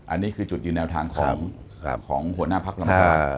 อันนี้คือจุดยืนแนวทางของหัวหน้าพักลำปาง